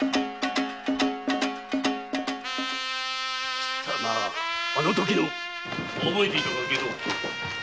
貴様あのときの！？覚えていたか外道！